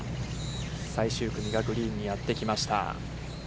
最終組がグリーンにやってきました。